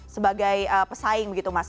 sebagai pesaing begitu mas